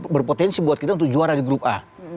berpotensi buat kita untuk juara di grup a